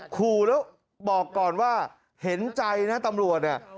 ขู่แล้วบอกก่อนว่าเห็นใจนะตำรวจเนี่ย